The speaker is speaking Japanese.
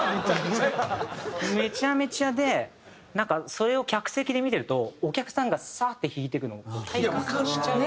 めちゃめちゃでなんかそれを客席で見てるとお客さんがサーッて引いてくのを体感しちゃう。